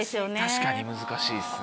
確かに難しいですね。